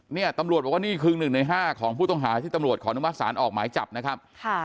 เนี่ยตำรวจบอกว่านี่คือ๑ใน๕ของผู้ต้องหาที่ตำรวจขออนุมัติศาลออกหมายจับนะครับ